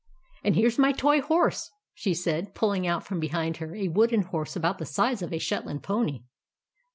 " And here 's my toy horse," she said, pulling out from behind her a wooden horse about the size of a Shetland pony.